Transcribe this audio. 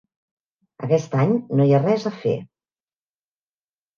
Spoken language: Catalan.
Aquest any no hi ha res a fer.